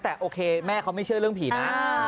แต่โอเคแม่เขาไม่เชื่อเรื่องผีนะ